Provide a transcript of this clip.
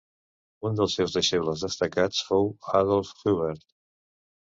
Un dels seus deixebles destacats fou Adolf Hubert.